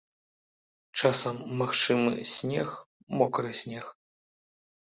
Часам магчымы снег, мокры снег.